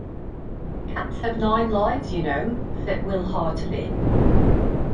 "Cats have nine lives, you know," said Will heartily.